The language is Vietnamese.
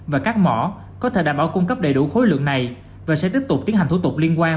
và các mỏ có thể đảm bảo cung cấp đầy đủ khối lượng này và sẽ tiếp tục tiến hành thủ tục liên quan